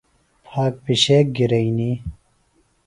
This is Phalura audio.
پھاگ پِشِیک گِرئنی۔